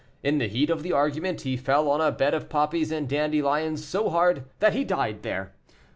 In the heat of the argument, he fell on a bed of poppies and dandelions so hard that he died there.